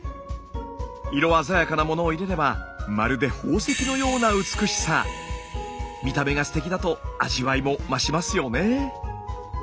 色鮮やかなものを入れればまるで見た目がすてきだと味わいも増しますよね。